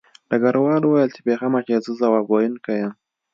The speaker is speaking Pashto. ډګروال وویل چې بې غمه شه زه ځواب ویونکی یم